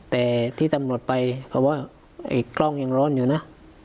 แต่ที่ตำรวจไปเพราะว่าไอ้กล้องยังร้อนอยู่นะ